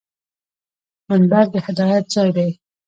منبر د هدایت ځای دی